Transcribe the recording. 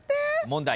問題